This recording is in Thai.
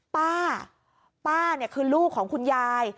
ป้าป้าเนี่ยคือลูกของคุณยาย